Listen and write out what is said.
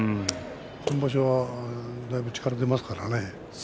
今場所だいぶ力が出ますからね。